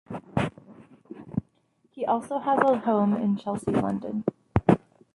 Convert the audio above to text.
He also has a home in Chelsea, London.